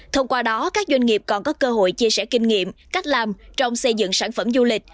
thông qua đó các doanh nghiệp còn có cơ hội chia sẻ kinh nghiệm cách làm trong xây dựng sản phẩm du lịch